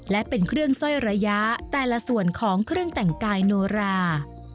และเป็นเครื่องสร้อยระยะแต่ละส่วนของเครื่องแต่งกายโนรา